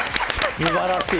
すばらしい。